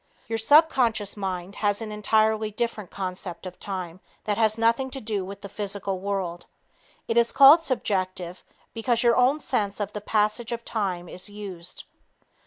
Your subconscious mind has an entirely different concept of time that has nothing to do with the physical world. It is called subjective because your own sense of the passage of time is used.